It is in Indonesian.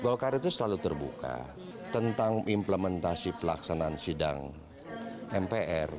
golkar itu selalu terbuka tentang implementasi pelaksanaan sidang mpr